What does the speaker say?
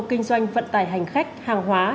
kinh doanh vận tải hành khách hàng hóa